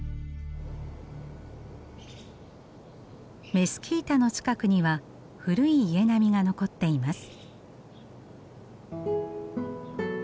メスキータの近くには古い家並みが残っています。